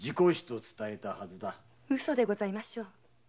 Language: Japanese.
嘘でございましょう。